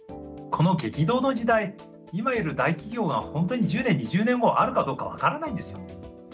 この激動の時代今いる大企業が本当に１０年２０年後あるかどうか分からないんですよ。